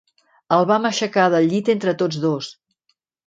El vam aixecar del llit entre tots dos.